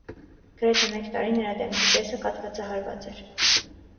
Գրեթե մեկ տարի նրա դեմքի կեսը կաթվածահարված էր։